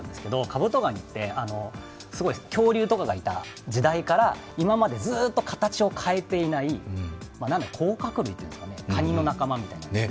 カブトガニって、恐竜とかがいた時代から今までずっと形を変えていない、甲殻類というんですか、カニの仲間みたいな。